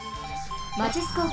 「マチスコープ」。